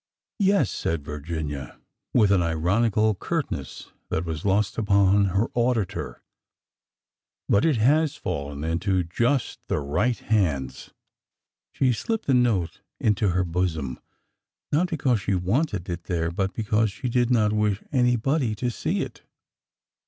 " Yes," said Virginia, with an ironical curtness that was lost upon her auditor ; but it has fallen into just the right hands." She slipped the note into her bosom— not because she wanted it there, but because she did not wish anybody to see it.